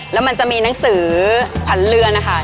แล้วมันจะมีหนังสือขวัญเรือนนะคะ